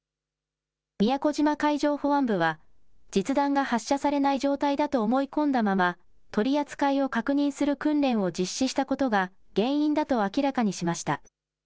宮古島海上保安部は実弾が発射されない状態だと思い込んだまま、取り扱いを確認する訓練を実施したことが原因だと明らかにしました。